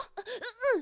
うん！